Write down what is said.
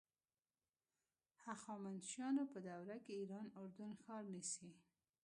هخامنشیانو په دوره کې ایران اردن ښار نیسي.